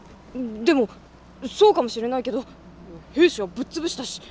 でもそうかもしれないけど平氏はぶっ潰したし。